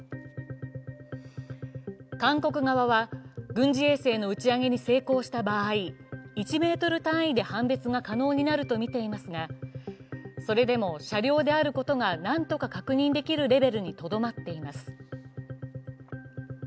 韓国側は軍事衛星の打ち上げに成功した場合１ｍ単位で判別が可能になるとみていますが、それでも車両であることがなんとか確認できるレベルにとどまっています。